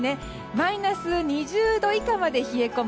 マイナス２０度以下まで冷え込む